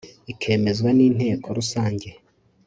ikemezwa ni inteko rusange